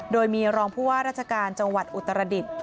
โดยมีรองผู้ว่าราชการจังหวัดอุตรดิษฐ์